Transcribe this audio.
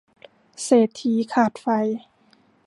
เศรษฐีขาดไฟ